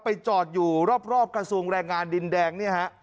ไปจอดอยู่รอบกระทรวงแรงงานดินแดง